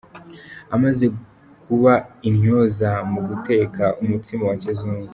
Amaze kuba intyoza mu guteka umutsima wa kizungu.